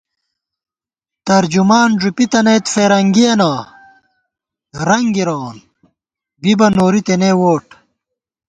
ترجمان ݫُپِتَنَئیت فِرَنگِیَنہ رنگ گِرَوون بِبہ نوری تېنےووٹ